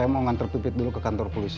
saya mau ngantur pipit dulu ke kantor polusi